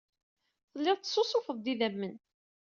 Telliḍ tessusufeḍ-d idammen.